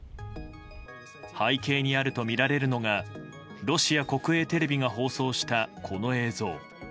背景にあるとみられるのがロシア国営テレビが放送したこの映像。